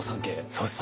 そうです。